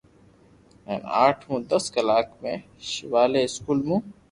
ھين آٺ مون دس ڪلاس ۾ ݾاوليلا اسڪول مون